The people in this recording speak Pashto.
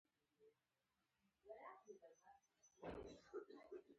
زما زړه پولۍ پولۍدی؛ رما سا لمبه لمبه ده